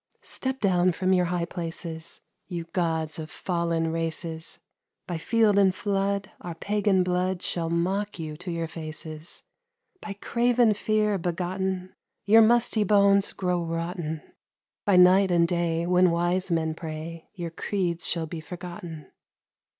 Step down from your high places, You gods of fallen races ! By field and flood, our pagan blood Shall mock you to your faces. By craven fear begotten, Your musty bones grow rotten, By night and day, when wise men pray, Your creeds shall be forgotten.